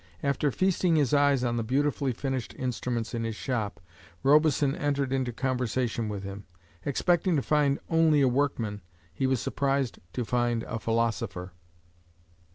After feasting his eyes on the beautifully finished instruments in his shop, Robison entered into conversation with him. Expecting to find only a workman, he was surprised to find a philosopher.